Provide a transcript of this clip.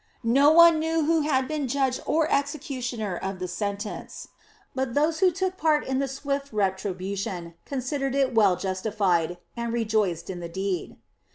No one knew who had been judge or executioner of the sentence; but those who took part in the swift retribution considered it well justified, and rejoiced in the deed.